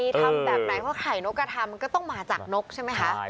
ทำแบบไหนเพราะไข่นกกระทำมันก็ต้องมาจากนกใช่ไหมคะ